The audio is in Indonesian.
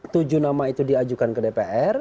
tujuh nama itu diajukan ke dpr